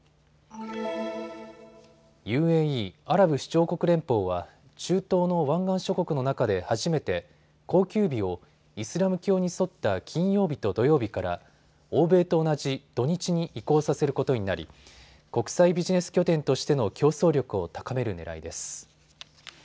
ＵＡＥ・アラブ首長国連邦は中東の湾岸諸国の中で初めて公休日をイスラム教に沿った金曜日と土曜日から、欧米と同じ土日に移行させることになり国際ビジネス拠点としての競争力を高めるねらいです。